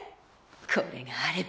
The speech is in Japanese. これがあれば。